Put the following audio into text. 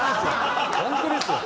本当ですよ。